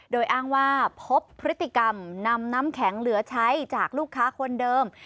โดยอ้างว่าพบพฤติกรรมนำน้ำแข็งเหลือใช้จากลูกค้าคนเดิม